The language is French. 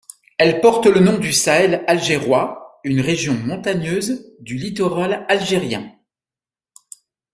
Elle porte le nom du Sahel algérois, une région montagneuse du littoral algérien.